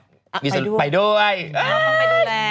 เนี่ยน้องมันไปด้วยแหละ